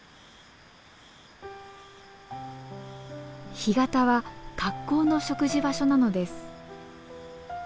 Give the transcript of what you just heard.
干潟は格好の食事場所なのです。